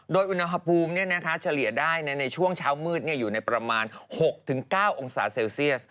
โดยอุณหภูมิเฉลี่ยได้ในช่วงเช้ามืดอยู่ในประมาณ๖๙องศาเซลเซียส